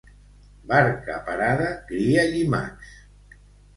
Barca parada cria llimacs.